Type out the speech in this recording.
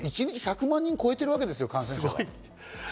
一日１００万回越えてるわけですよ。